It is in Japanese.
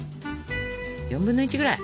４分の１ぐらい。